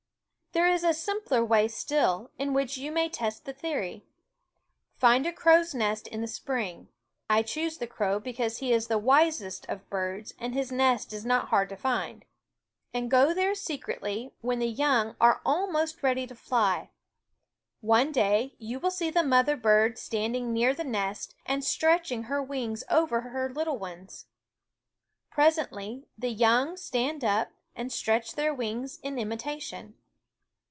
There is a simpler way still, in which you may test the theory. Find a crow's nest in the spring (I choose the crow because he is the wisest of birds, and his nest is not hard to find) and go there secretly when the young are almost ready to fly. One day you will see the mother bird standing near the nest and stretching her wings over her little ones. Presently the young stand up and stretch their wings in imitation.